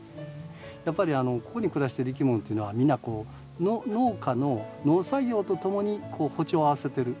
やっぱりここに暮らしてるいきものっていうのはみんなこう農家の農作業とともに歩調を合わせてる。